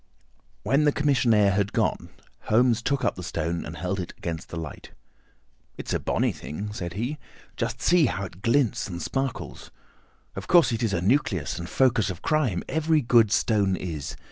When the commissionaire had gone, Holmes took up the stone and held it against the light. "It's a bonny thing," said he. "Just see how it glints and sparkles. Of course it is a nucleus and focus of crime. Every good stone is.